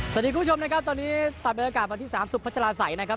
สวัสดีคุณผู้ชมนะครับตอนนี้ตามบรรยากาศวันที่สามสุภาชาลาศัยนะครับ